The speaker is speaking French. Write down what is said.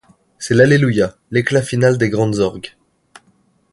C'était l'alléluia, l'éclat final des grandes orgues.